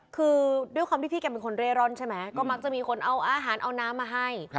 คือด้วยความที่พี่แกเป็นคนเร่ร่อนใช่ไหมก็มักจะมีคนเอาอาหารเอาน้ำมาให้